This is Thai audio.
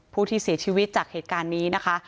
ผู้ที่เสียชีวิตจากเหตุการณ์นี้นะคะ